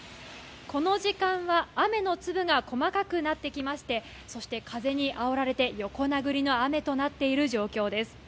この時間は雨の粒が細かくなってきまして、そして風にあおられて、横殴りの雨となっている状況です。